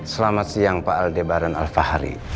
selamat siang pak aldebaran alfahari